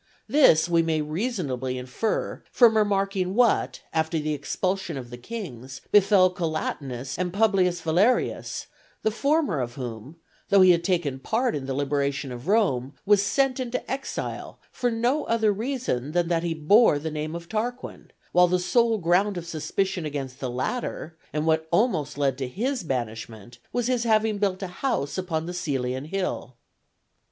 This we may reasonably infer from remarking what, after the expulsion of the kings, befell Collatinus and Publius Valerius; the former of whom, though he had taken part in the liberation of Rome, was sent into exile for no other reason than that he bore the name of Tarquin; while the sole ground of suspicion against the latter, and what almost led to his banishment, was his having built a house upon the Cælian hill.